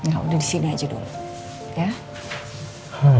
gak udah disini aja dulu